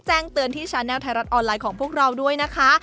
แจ้งเตือนที่ชาแนลไทยรัฐออนไลน์ของพวกเราด้วยนะคะ